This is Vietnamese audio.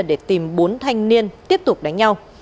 để tìm bốn thanh niên tiếp tục đánh nhau